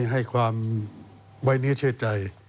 ให้ความไว้เนื้อเชื่อใจ